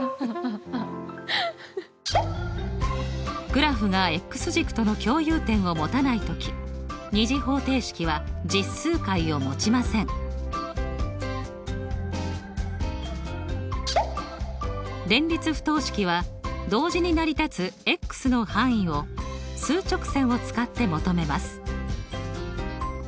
グラフが軸との共有点をもたない時２次方程式は連立不等式は同時に成り立つの範囲を数直線を使って求めます。